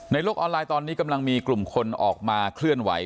โลกออนไลน์ตอนนี้กำลังมีกลุ่มคนออกมาเคลื่อนไหว